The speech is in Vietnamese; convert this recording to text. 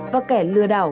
và kẻ lừa đảo